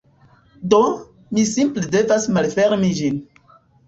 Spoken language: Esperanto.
Do, mi simple devas malfermi ĝin